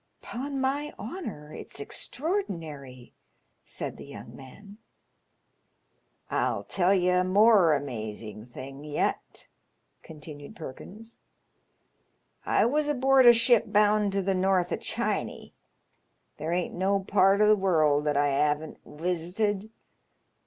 " 'Pon my honour, it's extraordinary !" said the young man. I'll tell ye a more amazing thing, yet," continued 'LONOSHOBEMAN'S 7ABN8. Ml Perkins. I was aboard a ship boun' to the North of Chiney. There ain't no part of the world that I 'aven't wisited.